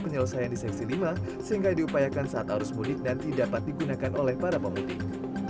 penyelesaian di seksi lima sehingga diupayakan saat arus mudik dan tidak digunakan oleh para pemutih